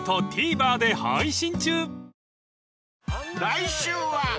［来週は］